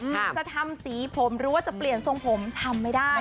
จะทำสีผมหรือว่าจะเปลี่ยนทรงผมทำไม่ได้